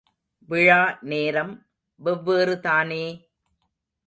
விழா நேரம் வெவ்வேறுதானே!